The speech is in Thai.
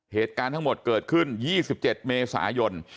เหตุการณ์ทั้งหมดเกิดขึ้น๒๗เมษายน